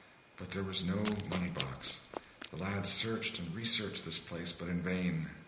But there was no moneybox. The lads searched and researched this place, but in vain.